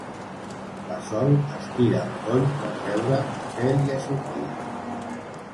La Sol estira el coll per veure què li ha sortit.